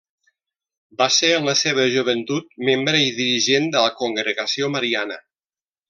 Va ser en la seva joventut membre i dirigent de la Congregació Mariana.